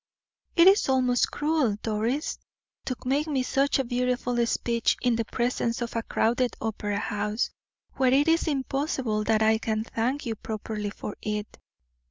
"It is almost cruel, Doris, to make me such a beautiful speech in the presence of a crowded opera house, where it is impossible that I can thank you properly for it."